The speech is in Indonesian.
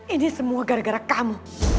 ini semua gara gara kamu